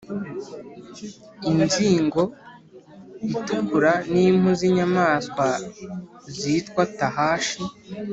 inzigo itukura n impu z inyamaswa zitwa tahashi